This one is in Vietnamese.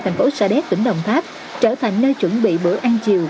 thành phố sa đéc tỉnh đồng tháp trở thành nơi chuẩn bị bữa ăn chiều